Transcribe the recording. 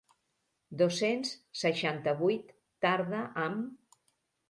Dos-cents seixanta-vuit tarda, amb...